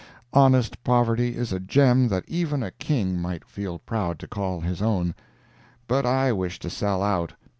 Honest poverty is a gem that even a King might feel proud to call his own, but I wish to sell out.